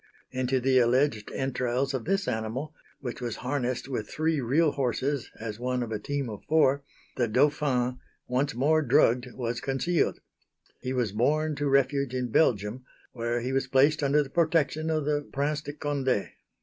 Into the alleged entrails of this animal, which was harnessed with three real horses as one of a team of four, the Dauphin, once more drugged, was concealed. He was borne to refuge in Belgium, where he was placed under the protection of the Prince de Condé.